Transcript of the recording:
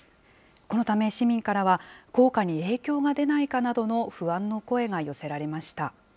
このため、市民からは効果に影響が出ないかなどの不安の声が寄せられました。